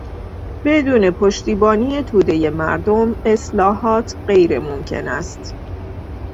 بدون پشتیبانی تودهی مردم اصلاحات غیر ممکن است.